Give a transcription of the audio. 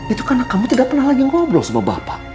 itu karena kamu tidak pernah lagi ngobrol sama bapak